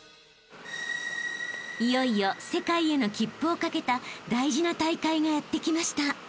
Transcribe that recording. ［いよいよ世界への切符をかけた大事な大会がやって来ました］